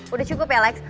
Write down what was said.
udah cukup ya lex